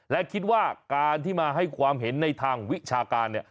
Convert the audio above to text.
และคิดว่าการที่มาให้ความเห็นในทางวิชาการเนี่ย